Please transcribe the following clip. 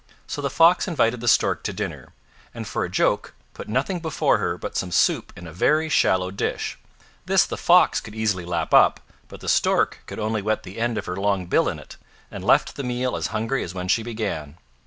So the Fox invited the Stork to dinner, and for a joke put nothing before her but some soup in a very shallow dish. This the Fox could easily lap up, but the Stork could only wet the end of her long bill in it, and left the meal as hungry as when she began.